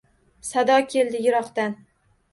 Sado keldi yirokdan.